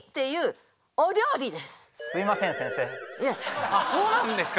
あれあっそうなんですか？